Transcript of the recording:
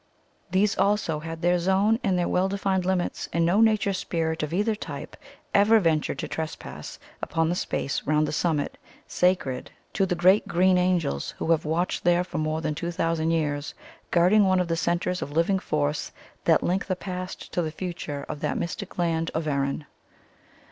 *' These also had their zone and their well defined limits, and no nature spirit of either type ever ventured to trespass upon the space round the summit, sacred to the great 193 THE COMING OF THE FAIRIES green angels who have watched there for more than two thousand years, guarding one of the centres of living force that link the past to the future of that mystic land of Erin.